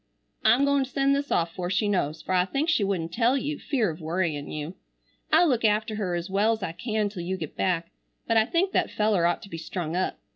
I'm goin to send this off fore she knows, fer I think she wouldn't tell you fear of worryin you. I'll look after her es well's I can till you get back, but I think that feller ought to be strung up.